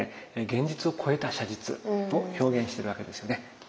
現実を超えた写実を表現してるわけですよね。